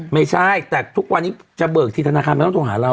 ไม่ใช่แต่ทุกวันนี้จะเบิกทีธนาคารไม่ต้องโทรหาเรา